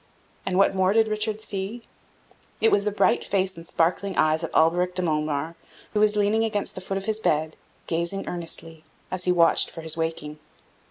And what more did Richard see? It was the bright face and sparkling eyes of Alberic de Montemar, who was leaning against the foot of his bed, gazing earnestly, as he watched for his waking.